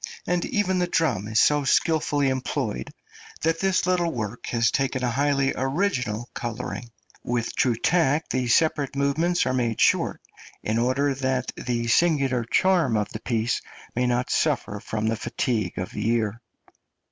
and even the drum is so skilfully employed, that this little work has taken a highly original colouring; with true tact the separate movements are made short, in order that the {SERENADES CASSATIO, 1771.} (303) singular charm of the piece may not suffer from the fatigue of the ear.